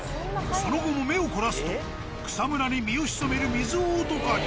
その後も目を凝らすと草むらに身を潜めるミズオオトカゲ。